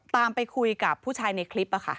ไปคุยกับผู้ชายในคลิป